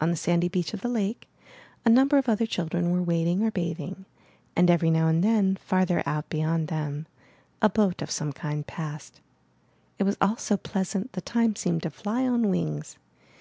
On the sandy beach of the lake, a number of other children were wading or bathing, and every now and then, farther out beyond them, a boat of some kind passed. It was all so pleasant, the time seemed to fly on wings.